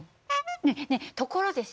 ねえねえところでさ